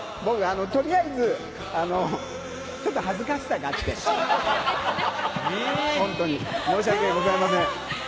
取りあえずちょっと恥ずかしさがあって、本当に申し訳ございません。